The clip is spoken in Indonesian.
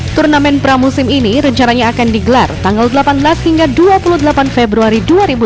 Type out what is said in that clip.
turnamen pramusim ini rencananya akan digelar tanggal delapan belas hingga dua puluh delapan februari dua ribu delapan belas